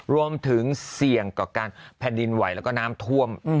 รวมถึงเสี่ยงต่อการแผ่นดินไหวแล้วก็น้ำท่วม